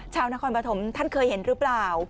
ชาวนครปฐมท่านเคยเห็นหรือเปล่า